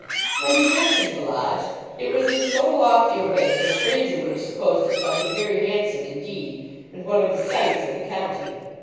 When he mentioned the Lodge, it was in so lofty a way that a stranger would have supposed it something very handsome indeed, and one of the sights of the county.